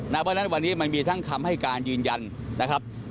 เพราะฉะนั้นวันนี้มันมีทั้งคำให้การยืนยันนะครับ